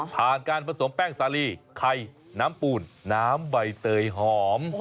ผ่านการผสมแป้งสาลีไข่น้ำปูนน้ำใบเตยหอม